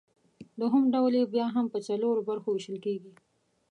دوهم ډول یې بیا هم پۀ څلورو برخو ویشل کیږي